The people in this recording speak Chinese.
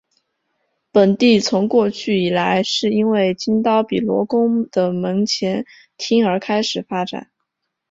本地从过去以来是因为金刀比罗宫的门前町而开始发展。